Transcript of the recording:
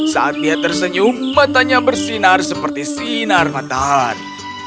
saat dia tersenyum matanya bersinar seperti sinar matahari